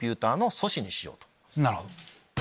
なるほど。